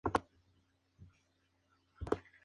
Originalmente tenía prisioneros y prisioneras.